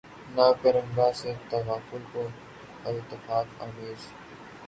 نہ کر نگہ سے تغافل کو التفات آمیز